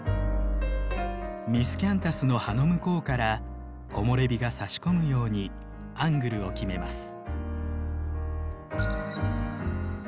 ミスキャンタスの葉の向こうから木漏れ日がさし込むようにアングルを決めます。